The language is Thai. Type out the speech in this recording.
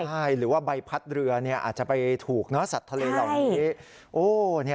ใช่หรือว่าใบพัดเรืออาจจะไปถูกเนอะสัตว์ทะเลเหล่านี้